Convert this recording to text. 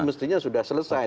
mestinya sudah selesai